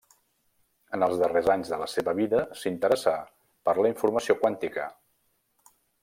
En els darrers anys de la seva vida s'interessà per la informació quàntica.